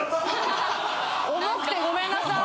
重くてごめんなさい。